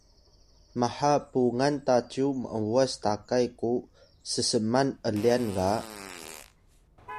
maha pungan ta cyu m’was takay ku ssman ’lyan ga